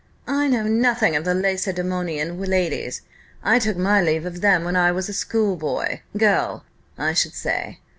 "I know nothing of the Lacedaemonian ladies: I took my leave of them when I was a schoolboy girl, I should say.